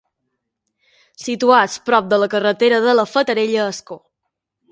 Situats prop de la carretera de la Fatarella a Ascó.